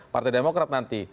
partai demokrat nanti